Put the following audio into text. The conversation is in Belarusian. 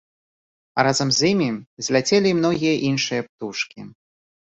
А разам з імі зляцелі і многія іншыя птушкі.